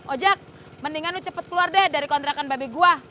ojek mendingan lu cepet keluar deh dari kontrakan babi gue